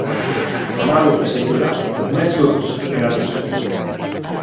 Hamar urte zituela, umezurtz geratu zen.